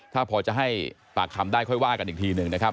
ถ้าพอจะให้ปากคำได้ค่อยว่ากันอีกทีหนึ่งนะครับ